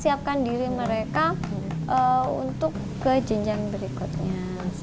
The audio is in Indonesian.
siapkan diri mereka untuk ke jenjang berikutnya